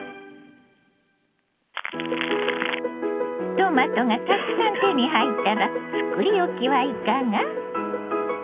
トマトがたくさん手に入ったら作り置きはいかが。